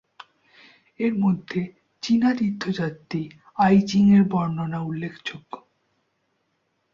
এর মধ্যে চীনা তীর্থ যাত্রী আই চিং এর বর্ণনা উল্লেখযোগ্য।